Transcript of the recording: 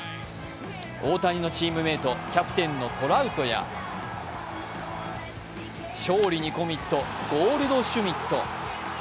大谷のチームメート、キャプテンのトラウトや勝利にコミット、ゴールドシュミット。